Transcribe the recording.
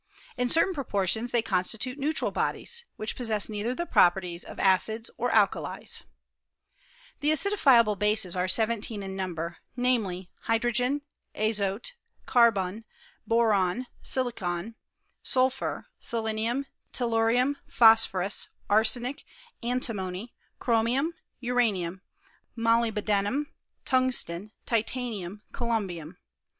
In certain proportions they constitute neutral bodies, which possess neither the properties of acids nor alkalies. The acidifiable bases are seventeen in number ; namely, hydrogen, azote, carbon, boron, silicon, sul I 310 HISTORY OF CIIEMISTBV. ^■^ phur, selenium, tellurium, phosphorus, arsenic, anti mony, chromium , uranium, molybdenum, tungsten , ti tanium, coiumbium.